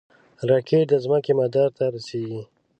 راکټ د ځمکې مدار ته رسېږي